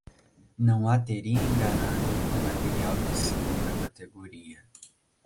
não a teria enganado com material de segunda categoria.